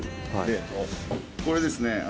これですね。